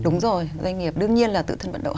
đúng rồi doanh nghiệp đương nhiên là tự thân vận động